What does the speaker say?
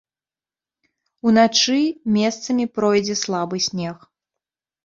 Уначы месцамі пройдзе слабы снег.